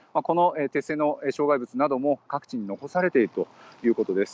鉄製の障害物なども各地に残されています。